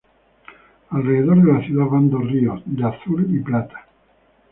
Alrededor de la ciudad van dos ríos de azul y plata.